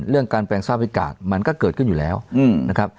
เรื่องการแปลงสภาพอากาศมันก็เกิดขึ้นอยู่แล้วนะครับ